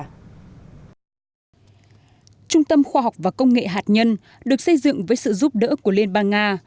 trung tâm khoa học và công nghệ hạt nhân được xây dựng với sự giúp đỡ của liên bang nga